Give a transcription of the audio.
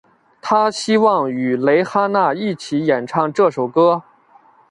她希望与蕾哈娜一起演唱这首歌。